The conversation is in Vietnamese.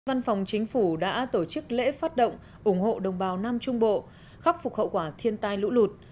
văn phòng chính phủ đã tổ chức lễ phát động ủng hộ đồng bào nam trung bộ khắc phục hậu quả thiên tai lũ lụt